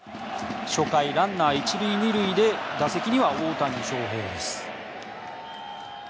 初回、ランナー１塁２塁で打席には大谷翔平です。